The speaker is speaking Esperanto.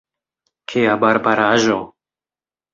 Kia barbaraĵo!